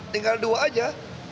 tinggal dua aja